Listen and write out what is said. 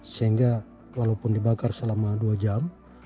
sehingga walaupun dibakar selama dua jam